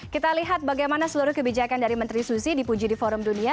kita lihat bagaimana seluruh kebijakan dari menteri susi dipuji di forum dunia